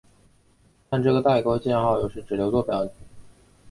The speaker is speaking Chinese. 但这个带钩箭号有时只留作表示包含映射时用。